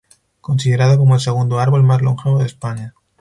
Considerado como el segundo árbol más longevo de España.